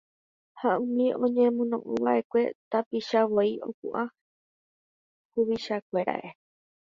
ha umi oñemono'õva'ekue tapicha voi opu'ã huvichakuérare